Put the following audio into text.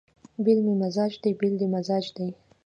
بېل مې مزاج دی بېل دې مزاج دی